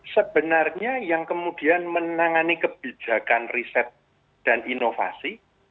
sebenarnya yang kemudian menangani kebijakan riset dan inovasi